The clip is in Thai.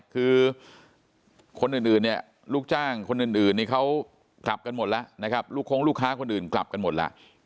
คือคนอื่นเนี่ยลูกจ้างคนอื่นนี่เขากลับกันหมดแล้วนะครับลูกคงลูกค้าคนอื่นกลับกันหมดแล้ว